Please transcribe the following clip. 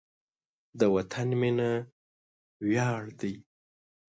د وطن مینه ویاړ دی.